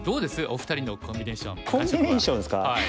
お二人のコンビネーション感触は。